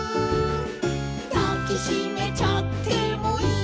「だきしめちゃってもいいのかな」